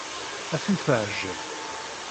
Ad ten-teɛjeb.